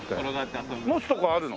持つとこあるの？